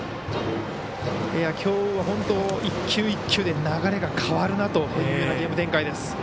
きょう、本当、一球一球で流れが変わるなと思うようなゲーム展開です。